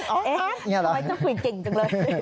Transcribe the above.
เอ๊ะทำไมเจ้าคุยเก่งจังเลย